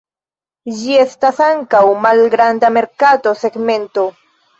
Ĝi estas ankaŭ malgranda merkato segmento.